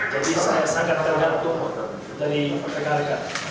jadi saya sangat tergantung dari perkargaan